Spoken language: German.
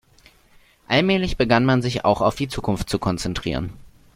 Allmählich begann man sich auch auf die Zukunft zu konzentrieren.